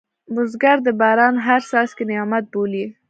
بزګر د باران هر څاڅکی نعمت بولي